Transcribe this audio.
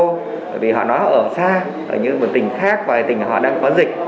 bởi vì họ nói ở xa ở những tỉnh khác và tỉnh họ đang có dịch